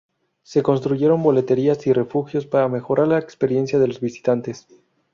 Se construyeron boleterías y refugios para mejorar la experiencia de los visitantes.